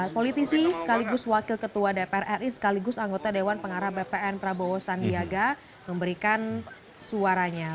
politisi sekaligus wakil ketua dpr ri sekaligus anggota dewan pengarah bpn prabowo sandiaga memberikan suaranya